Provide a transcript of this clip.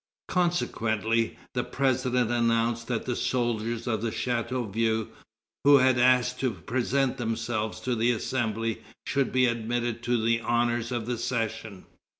Consequently, the president announced that the soldiers of Chateauvieux, who had asked to present themselves to the Assembly, should be admitted to the honors of the session.